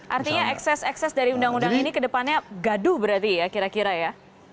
artinya ekses ekses dari undang undang ini kedepannya gaduh berarti ya kira kira ya